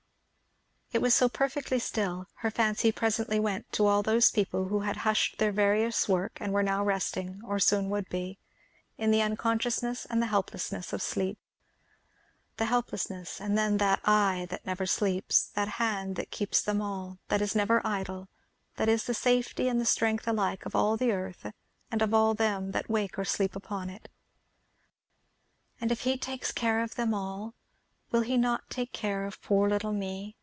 It was so perfectly still, her fancy presently went to all those people who had hushed their various work and were now resting, or soon would be, in the unconsciousness and the helplessness of sleep. The helplessness, and then that Eye that never sleeps; that Hand that keeps them all, that is never idle, that is the safety and the strength alike of all the earth and of them that wake or sleep upon it, "And if he takes care of them all, will he not take care of poor little me?"